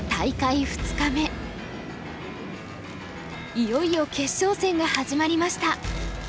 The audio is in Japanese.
いよいよ決勝戦が始まりました。